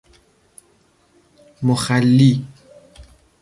مخلی